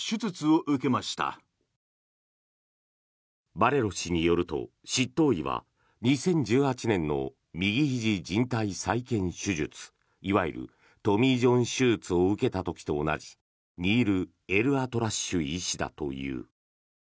バレロ氏によると執刀医は２０１８年の右ひじじん帯再建手術いわゆるトミー・ジョン手術を受けた時と同じニール・エルアトラッシュ医師だという。